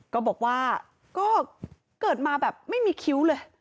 ก็บอกว่าก็เกิดมาแบบไม่มีคิ้วเลย